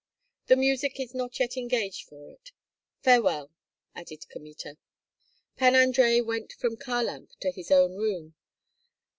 "The music is not yet engaged for it. Farewell!" added Kmita. Pan Andrei went from Kharlamp to his own room.